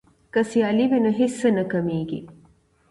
که سیالي وي نو هڅه نه کمېږي.